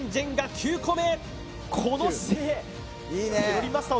９個目！